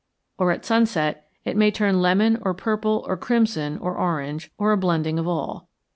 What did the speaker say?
Or at sunset it may turn lemon or purple or crimson or orange, or a blending of all.